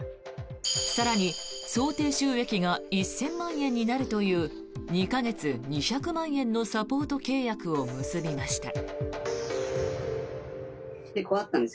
更に、想定収益が１０００万円になるという２か月２００万円のサポート契約を結びました。